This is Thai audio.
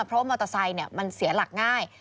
เพราะมอเตอร์ไซค์มันเสียหลักง่าย